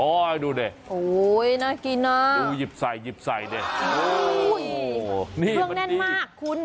โอ๊ยดูนี่โอ้ยน่ากินน่ะดูยิบใส่ยิบใส่นี่โอ้ยนี่เพื่องแน่นมากคุณ